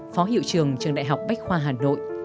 phó hiệu trường trường đại học bách khoa hà nội